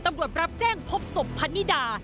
ตำรวจรับแจ้งพบศพพนิดา